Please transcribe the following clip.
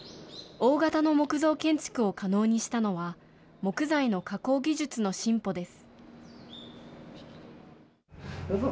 大型の木造建築を可能にしたのは、木材の加工技術の進歩です。